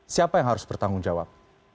siapa yang harus bertanggung jawab